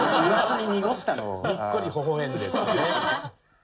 にっこりほほ笑んでってね。